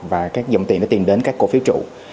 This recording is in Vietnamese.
và các dòng tiền đã tiền đến các cổ phiếu trụ